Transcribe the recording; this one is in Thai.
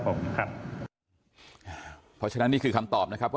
เพราะฉะนั้นนี่คือคำตอบนะครับ